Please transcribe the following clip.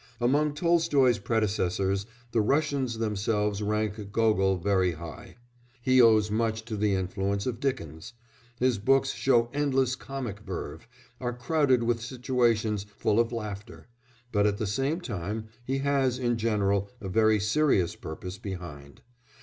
Among Tolstoy's predecessors the Russians themselves rank Gogol very high; he owes much to the influence of Dickens; his books show endless comic verve, are crowded with situations full of laughter, but at the same time he has, in general, a very serious purpose behind.